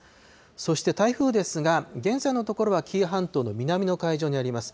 そして台風ですが、現在のところは紀伊半島の南の海上にあります。